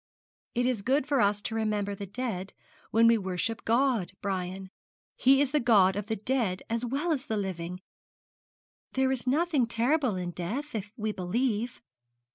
'It is good for us to remember the dead when we worship God, Brian. He is the God of the dead as well as the living. There is nothing terrible in death, if we believe.'